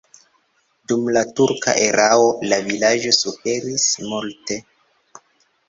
Dum la turka erao la vilaĝo suferis multe.